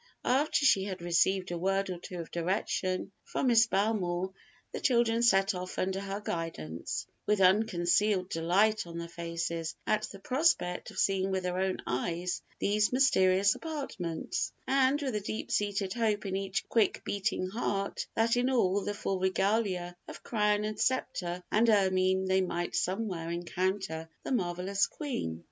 After she had received a word or two of direction from Miss Belmore, the children set off under her guidance, with unconcealed delight on their faces at the prospect of seeing with their own eyes these mysterious apartments, and with a deep seated hope in each quick beating heart that in all the full regalia of crown and sceptre and ermine they might somewhere encounter the marvellous Queen.